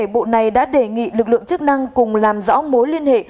bộ này đã đề nghị lực lượng chức năng cùng làm rõ mối liên hệ